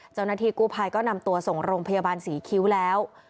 เจ้าหน้าที่กู้ภัยก็นำตัวส่งโรงพยาบาลศรีคิ้วแล้ว